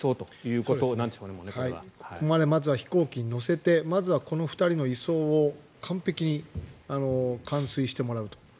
ここまでまずは飛行機に乗せてまずはこの２人の移送を完璧に完遂してもらうと。